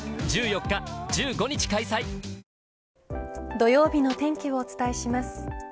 土曜日の天気をお伝えします。